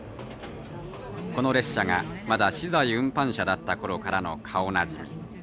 この列車がまだ資材運搬車だった頃からの顔なじみ。